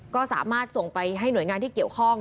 ก็สามารถส่งไปให้หน่วยงานที่เกี่ยวข้อง